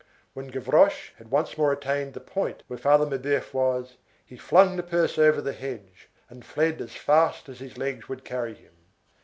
When Gavroche had once more attained the point where Father Mabeuf was, he flung the purse over the hedge, and fled as fast as his legs would carry him.